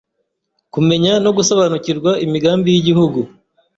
kumenya no gusobanukirwa imigambi y’Igihugu